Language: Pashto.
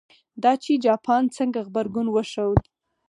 دا چې جاپان څنګه غبرګون وښود.